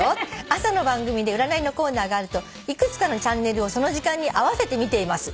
「朝の番組で占いのコーナーがあるといくつかのチャンネルをその時間に合わせて見ています」